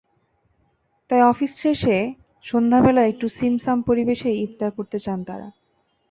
তাই অফিস শেষে সন্ধ্যাবেলায় একটু ছিমছাম পরিবেশেই ইফতার করতে চান তাঁরা।